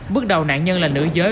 bước đầu nạn nhân là nữ giới